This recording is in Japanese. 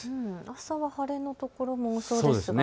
朝は晴れの所も多そうです。